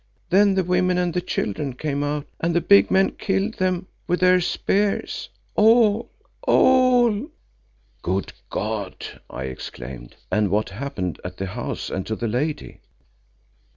Then the women and the children came out and the big men killed them with their spears—all, all!" "Good God!" I exclaimed. "And what happened at the house and to the lady?"